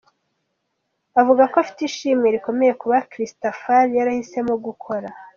Avuga ko afite ishimwe rikomeye kuba Christafari yarahisemo gukora